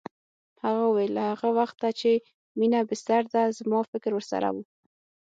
هغه وویل له هغه وخته چې مينه بستر ده زما فکر ورسره و